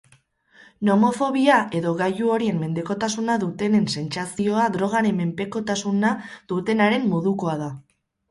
Nomofobia edo gailu horien mendekotasuna dutenen sentsazioa drogaren mendekotasuna dutenenaren modukoa da.